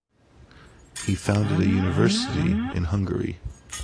He founded a university in Hungary.